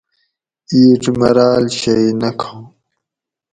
اِیڄ مراٞل شئ نہ کھاں